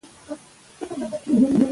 بامیان د افغان کلتور په داستانونو کې راځي.